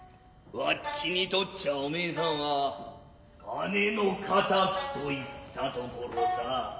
わっちにとっちゃお前さんは姉の敵といったところさ。